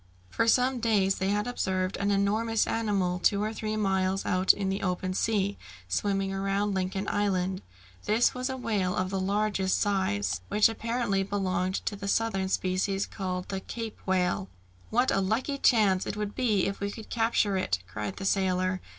For some days they had observed an enormous animal two or three miles out in the open sea swimming around Lincoln Island. This was a whale of the largest size, which apparently belonged to the southern species, called the "Cape Whale." "What a lucky chance it would be if we could capture it!" cried the sailor.